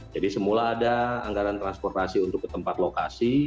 jadi semula ada anggaran transportasi untuk ke tempat lokasi